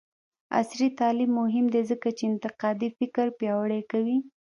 عصري تعلیم مهم دی ځکه چې انتقادي فکر پیاوړی کوي.